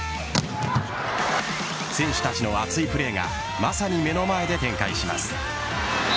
選手たちの熱いプレーがまさに目の前で展開します。